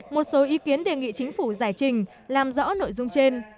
một số ý kiến đề nghị chính phủ giải trình làm rõ nội dung trên